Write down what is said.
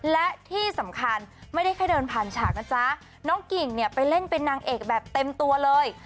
และที่สำคัญไม่ได้แค่เดินผ่านฉากนะจ๊ะน้องกิ่งเนี่ยไปเล่นเป็นนางเอกแบบเต็มตัวเลย